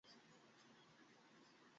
মজা করছিস নাকি?